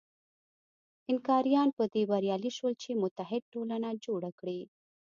اینکاریان په دې بریالي شول چې متحد ټولنه جوړه کړي.